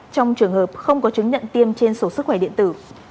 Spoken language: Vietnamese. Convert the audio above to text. trong trường hợp không có chứng nhận tiêm trên sổ sức khỏe điện tử